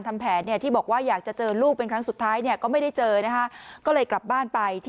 แต่มันก็ทำเกินไป